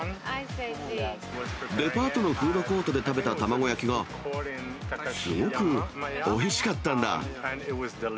デパートのフードコートで食べた卵焼きがすごくおいしかったんだ。